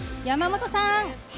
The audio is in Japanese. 山本さん。